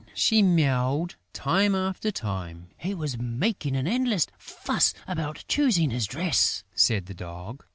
she mewed, time after time. "He was making an endless fuss about choosing his dress," said the Dog.